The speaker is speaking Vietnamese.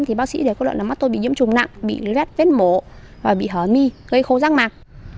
thì bác sĩ có đoạn là mắt tôi bị nhiễm trùng nặng bị vết mổ và bị hở mi gây khô răng mạc